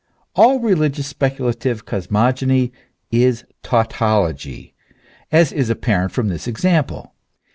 All religious speculative cosmogony is tautology, as is apparent from this example.